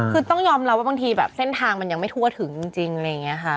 คือต้องยอมรับว่าบางทีแบบเส้นทางมันยังไม่ทั่วถึงจริงอะไรอย่างนี้ค่ะ